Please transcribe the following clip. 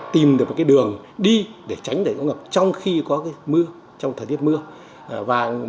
tìm được đường đi để tránh điểm ứng gặp trong khi có mưa trong thời tiết mưa